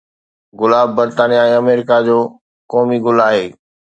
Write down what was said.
گلاب برطانيه ۽ آمريڪا جو قومي گل آهي